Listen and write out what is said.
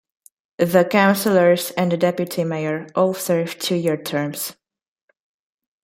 The Councillors and the Deputy Mayor all serve two year terms.